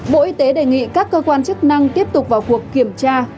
bộ y tế đề nghị các cơ quan chức năng tiếp tục vào cuộc kiểm tra